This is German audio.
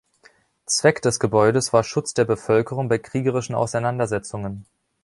Zweck des Gebäudes war Schutz der Bevölkerung bei kriegerischen Auseinandersetzungen.